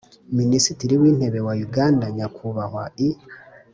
minisitiri w'intebe wa uganda, nyakubahwa e.